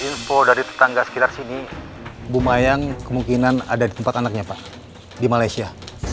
info dari tetangga sekitar sini bu mayang kemungkinan ada di tempat anaknya pak di malaysia